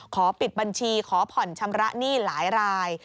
ขอปิดบัญชีขอผ่อนชำระหนี้หลายราย